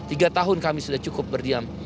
tiga tahun kami sudah cukup berdiam